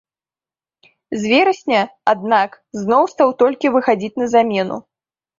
З верасня, аднак, зноў стаў толькі выхадзіць на замену.